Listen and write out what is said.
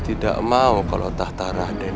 tidak mau kalau tahta raden